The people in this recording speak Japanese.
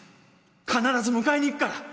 必ず迎えに行くから。